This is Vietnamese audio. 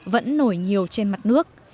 vẫn nổi nhiều trên mặt nước